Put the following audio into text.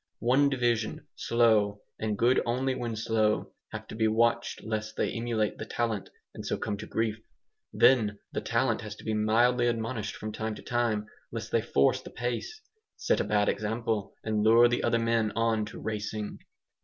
One division, slow, and good only when slow, have to be watched lest they emulate "the talent," and so come to grief. Then "the talent" has to be mildly admonished from time to time lest they force the pace, set a bad example, and lure the other men on to "racing."